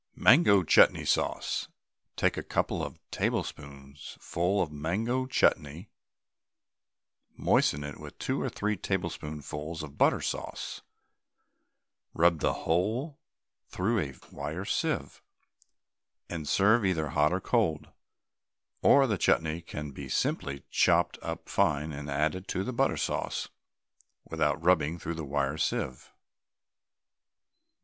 MANGO CHUTNEY SAUCE. Take a couple of tablespoonfuls of Mango Chutney, moisten it with two or three tablespoonfuls of butter sauce, rub the whole through a wire sieve, and serve either hot or cold. Or the chutney can be simply chopped up fine and added to the butter sauce without rubbing through the wire sieve.